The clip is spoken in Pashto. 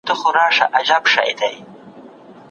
معلومات بايد سم وړاندې شي.